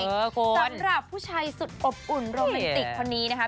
สำหรับผู้ชายสุดอบอุ่นโรแมนติกคนนี้นะคะ